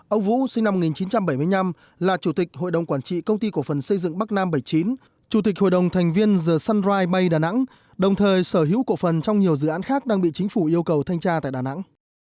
ông vũ sinh năm một nghìn chín trăm bảy mươi năm là chủ tịch hội đồng quản trị công ty cổ phần xây dựng bắc nam bảy mươi chín chủ tịch hội đồng thành viên the sunriba đà nẵng đồng thời sở hữu cổ phần trong nhiều dự án khác đang bị chính phủ yêu cầu thanh tra tại đà nẵng